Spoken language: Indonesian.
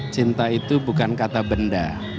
cinta itu bukan kata benda